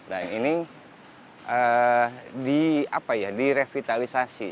dan ini direvitalisasi